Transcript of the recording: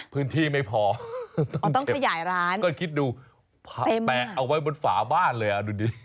พื้นที่ไม่พอต้องเก็บก็คิดดูแปะเอาไว้บนฝาบ้านเลยอ่ะดูดิ